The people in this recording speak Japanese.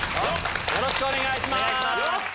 よろしくお願いします。